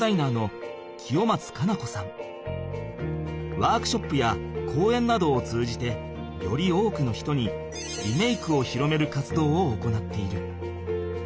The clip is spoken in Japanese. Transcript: ワークショップやこうえんなどを通じてより多くの人にリメイクを広める活動を行っている。